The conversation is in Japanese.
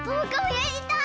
やりたい？